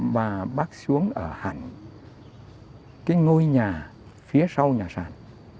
và bác xuống ở hẳn cái ngôi nhà phía sau nhà sàn